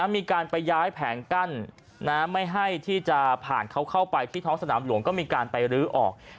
มีการไปย้ายแผงกั้นไม่ให้ที่จะผ่านเขาเข้าไปที่ท้องสนามหลวงก็มีการไปรื้อออก